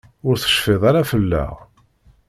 Ur tecfiḍ ara fell-aɣ?